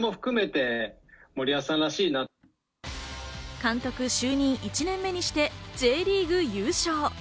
監督就任１年目にしてＪリーグ優勝。